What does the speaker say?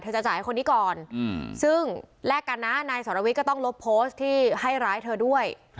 จะจ่ายให้คนนี้ก่อนซึ่งแลกกันนะนายสรวิทย์ก็ต้องลบโพสต์ที่ให้ร้ายเธอด้วย